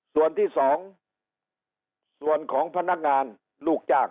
ส่วนที่สองส่วนของพนักงานลูกจ้าง